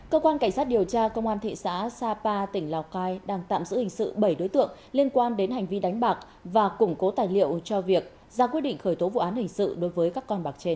cơ quan cảnh sát điều tra công an thị xã sapa tỉnh lào cai đang tạm giữ hình sự bảy đối tượng liên quan đến hành vi đánh bạc và củng cố tài liệu cho việc ra quyết định khởi tố vụ án hình sự đối với các con bạc trên